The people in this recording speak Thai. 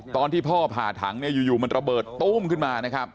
ตอนที่พ่อผ่าถังเนี่ยอยู่มันระเบิดตู้มขึ้นมานะครับ